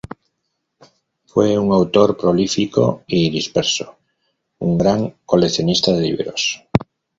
Fue un autor prolífico y disperso, un gran coleccionista de libros.